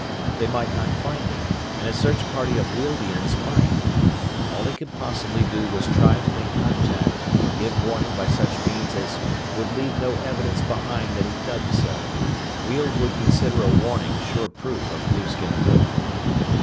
They might not find it, and a search party of Wealdians might. All he could possibly do was try to make contact and give warning by such means as would leave no evidence behind that he'd done so. Weald would consider a warning sure proof of blueskin guilt.